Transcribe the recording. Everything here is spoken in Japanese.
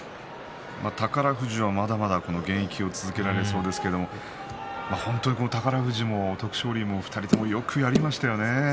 宝富士は、まだまだ現役は続けられそうですけれども本当に宝富士も徳勝龍も２人ともよくやりましたよね。